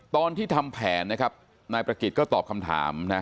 ตอนที่ทำแผนนะครับนายประกิจก็ตอบคำถามนะ